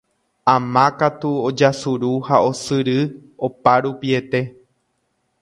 Ama katu ojasuru ha osyry oparupiete